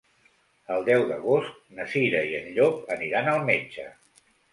El deu d'agost na Cira i en Llop aniran al metge.